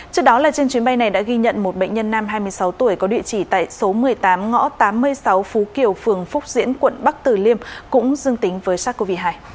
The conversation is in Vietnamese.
trước đó là trên chuyến bay này đã ghi nhận một bệnh nhân nam hai mươi sáu tuổi có địa chỉ tại số một mươi tám ngõ tám mươi sáu phú kiều phường phúc diễn quận bắc tử liêm cũng dương tính với sars cov hai